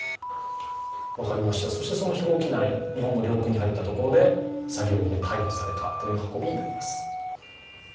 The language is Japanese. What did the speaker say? その飛行機内、日本の領空に入ったところで詐欺容疑で逮捕されたという運びになります。